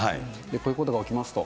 こういうことが起きますと。